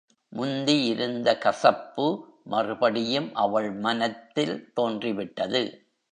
முந்தி இருந்த கசப்பு மறுபடியும் அவள் மனத்தில் தோன்றிவிட்டது.